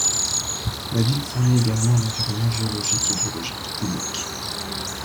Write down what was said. La ville fournit également un environnement géologique et biologique unique.